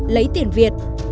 lấy tiền việt